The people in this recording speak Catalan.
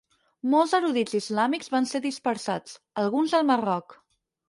Molts erudits islàmics van ser dispersats, alguns al Marroc.